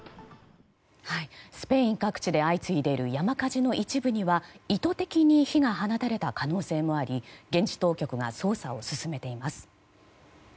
スペイン各地で相次いでいる山火事の一部には意図的に火が放たれた可能性もあり現地当局が捜査を進めています。